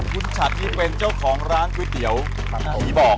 คุณฉัดนี่เป็นเจ้าของร้านก๋วยเตี๋ยวผีบอก